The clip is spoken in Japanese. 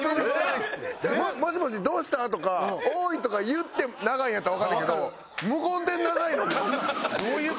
「もしもしどうした？」とか「おーい」とか言って長いんやったらわかんねんけどどういう事？